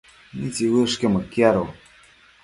¿mitsiuëshquio mëquiado?